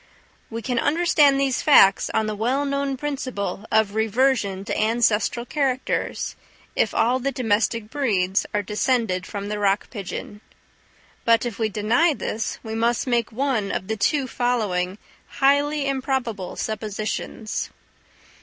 We can understand these facts, on the well known principle of reversion to ancestral characters, if all the domestic breeds are descended from the rock pigeon. But if we deny this, we must make one of the two following highly improbable suppositions.